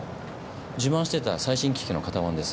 自慢してた最新機器の型番です。